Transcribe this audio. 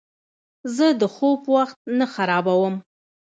زه د خوب وخت نه خرابوم.